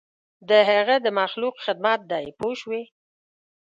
د هغه د مخلوق خدمت دی پوه شوې!.